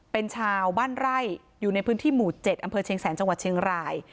เป็นชาวบ้านไร่อยู่ในพื้นที่หมู่๗อำเภอเชียงแสนจังหวัดเชียงราย